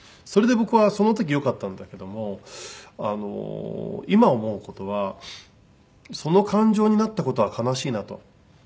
それで僕はその時よかったんだけども今思う事はその感情になった事は悲しいなと。